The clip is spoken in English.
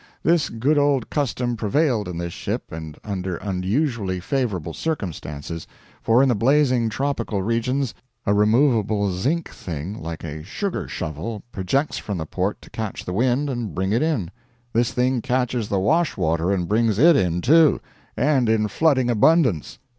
This good old custom prevailed in this ship, and under unusually favorable circumstances, for in the blazing tropical regions a removable zinc thing like a sugarshovel projects from the port to catch the wind and bring it in; this thing catches the wash water and brings it in, too and in flooding abundance.